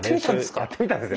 やってみたんですか？